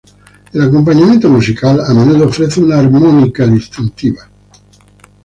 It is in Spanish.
El acompañamiento musical a menudo ofrece una armónica distintivo.